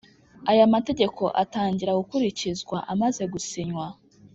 Aya mategeko atangira gukurikizwa amaze gusinywa